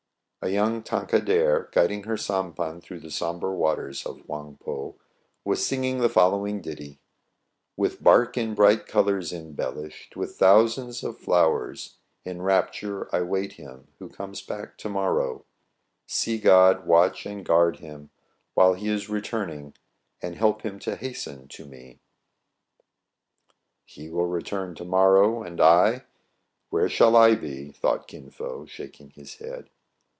A young Tankadere, guiding her sampan through the sombre waters of Houang Pou, was singing the following ditty :—" With bark in bright colors, Embellished With thousands of flowers, In rapture I wait him Who comes back to morrow. 8o TRIBULATIONS OF A CHINAMAN, Sea god, watch and guard him, While he is returning, And help him to hasten To me 1 "" He will return to morrow ; and I, where shall I be ?thought Kin Fo, shaking his head.